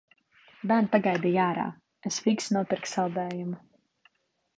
Bērni pagaidīja ārā, es fiksi nopirku saldējumu.